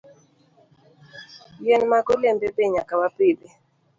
Yien mag olembe be nyaka wapidhi.